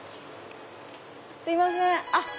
すいません